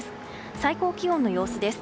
最高気温の様子です。